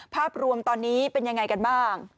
ภาพรวมตอนนี้เป็นยังไงกันบ้าง